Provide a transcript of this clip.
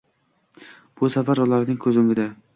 Bu safar ularning ko‘z o‘ngida